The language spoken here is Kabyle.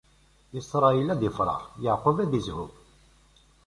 Isṛayil ad ifreḥ, Yeɛqub ad izhu.